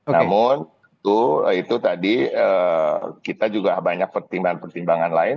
namun itu tadi kita juga banyak pertimbangan pertimbangan lain